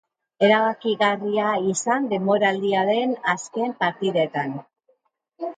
Erabakigarria izan denboraldiaren azken partidetan.